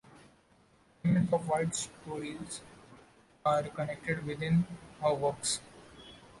Elements of White's stories are connected within her works.